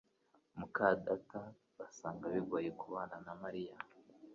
muka data basanga bigoye kubana na Mariya